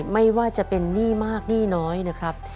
ไม่ว่าจะเป็นหนี้มากหนี้น้อยนะครับ